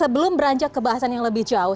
sebelum beranjak ke bahasan yang lebih jauh